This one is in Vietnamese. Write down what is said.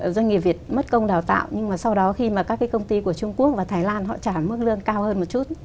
doanh nghiệp việt mất công đào tạo nhưng mà sau đó khi mà các cái công ty của trung quốc và thái lan họ trả mức lương cao hơn một chút